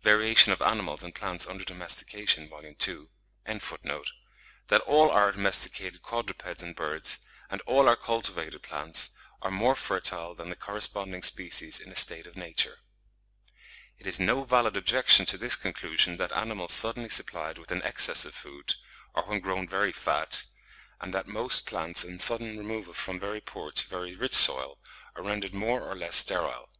'Variation of Animals and Plants under Domestication,' vol ii. pp. 111 113, 163.), that all our domesticated quadrupeds and birds, and all our cultivated plants, are more fertile than the corresponding species in a state of nature. It is no valid objection to this conclusion that animals suddenly supplied with an excess of food, or when grown very fat; and that most plants on sudden removal from very poor to very rich soil, are rendered more or less sterile.